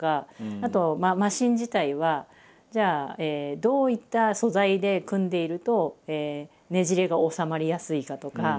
あとマシン自体はじゃあどういった素材で組んでいるとねじれが収まりやすいかとか。